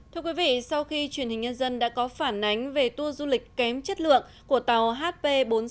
thưa quý vị sau khi truyền hình nhân dân đã có phản ánh về tour du lịch kém chất lượng của tàu hp bốn nghìn sáu trăm tám mươi sáu